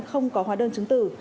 không có hóa đơn chứng tử